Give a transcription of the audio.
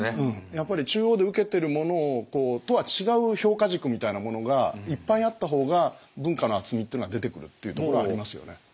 やっぱり中央でウケてるものとは違う評価軸みたいなものがいっぱいあった方が文化の厚みっていうのは出てくるっていうところはありますよね。